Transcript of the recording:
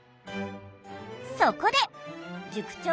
そこで塾長